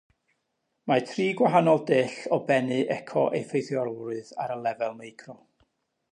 Mae tri gwahanol dull o bennu eco-effeithiolrwydd ar y lefel micro.